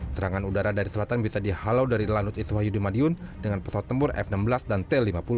serangan udara dari selatan bisa dihalau dari lanut iswayu di madiun dengan pesawat tempur f enam belas dan t lima puluh